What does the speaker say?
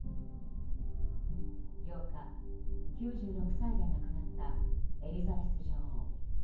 ８日、９６歳で亡くなったエリザベス女王。